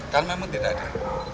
kan memang tidak ada